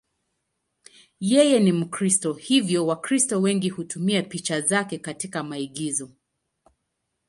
Yeye ni Mkristo, hivyo Wakristo wengi hutumia picha zake katika maigizo.